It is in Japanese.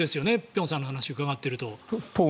辺さんの話を伺っていると。